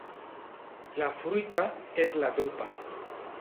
La fruita és la drupa.